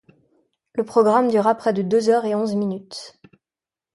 Le programme dura près de deux heures et onze minutes.